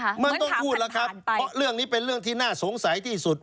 ไม่ต้องพูดแล้วครับเพราะเรื่องนี้เป็นเรื่องที่น่าสงสัยที่สุด